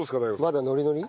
まだノリノリ？